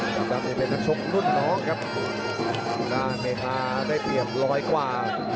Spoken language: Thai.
กลางรูปแบบนั้นชกนุ่นน้องครับหน้าเมฆาะได้เปรียบร้อยกว่า